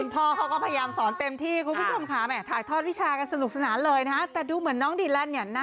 พ่อเขาก็พยายามสอนเต็มที่คุณผู้ชมค่ะถ่ายทอดวิชากันสนุกสนานเลยนะแต่ดูเหมือนน้องดีแลนด์เนี่ยนะ